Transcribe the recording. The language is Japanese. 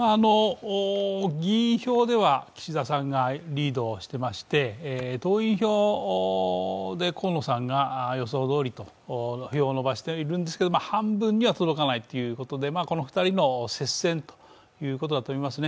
議員票では岸田さんがリードしていまして党員票で河野さんが予想どおり票を伸ばしているんですが半分には届かないということで、この２人の接戦ということだと思いますね。